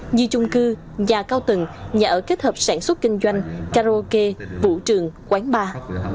như chung cư nhà cao tầng nhà ở kết hợp sản xuất kinh doanh karaoke vũ trường quán bar